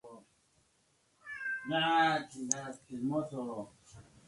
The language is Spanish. A partir de allí actuó en más de treinta películas.